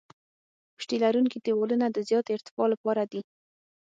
پشتي لرونکي دیوالونه د زیاتې ارتفاع لپاره دي